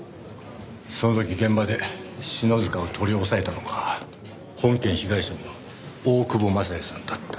その時現場で篠塚を取り押さえたのが本件被害者の大久保雅也さんだった。